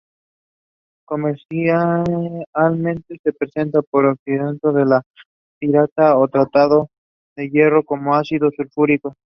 Comercialmente se prepara por oxidación de la pirita, o tratando hierro con ácido sulfúrico.